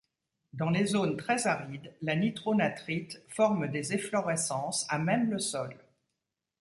Dans les zones très arides, la nitronatrite forme des efflorescences à même le sol.